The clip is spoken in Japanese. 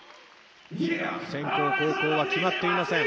先攻、後攻は決まっていません。